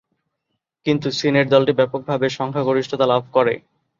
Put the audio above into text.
কিন্তু, সিনেটে দলটি ব্যাপকভাবে সংখ্যাগরিষ্ঠতা লাভ করে।